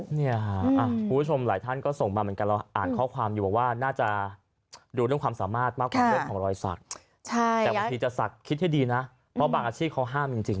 คุณผู้ชมหลายท่านก็ส่งมาเหมือนกันเราอ่านข้อความอยู่บอกว่าน่าจะดูเรื่องความสามารถมากกว่าเรื่องของรอยสักแต่บางทีจะศักดิ์คิดให้ดีนะเพราะบางอาชีพเขาห้ามจริง